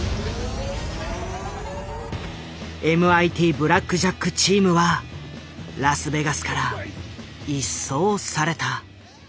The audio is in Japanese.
ＭＩＴブラックジャック・チームはラスベガスから一掃された。